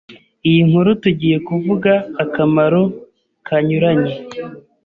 iyi nkuru tugiye kuvuga akamaro kanyuranye